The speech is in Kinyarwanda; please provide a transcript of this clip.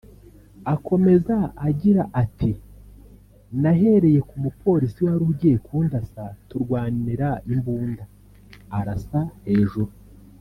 Akomeza agira ati “nNahereye ku mupolisi wari ugiye kundasa turwanira imbunda arasa hejuru